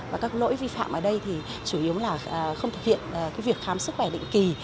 và các lỗi vi phạm ở đây thì chủ yếu là không thực hiện việc khám sức khỏe định kỳ